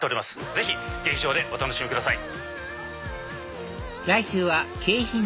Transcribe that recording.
ぜひ劇場でお楽しみください。